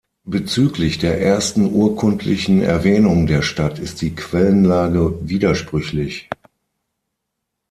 Bezüglich der ersten urkundlichen Erwähnung der Stadt ist die Quellenlage widersprüchlich.